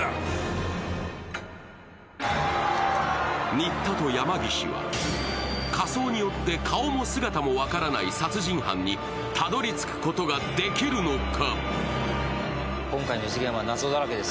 新田と山岸は、仮装によって顔も姿も分からない殺人犯にたどりつくことができるのか？